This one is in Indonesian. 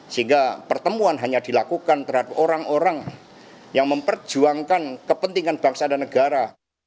sehingga pertemuan hanya dilakukan terhadap orang orang yang memperjuangkan kepentingan bangsa dan negara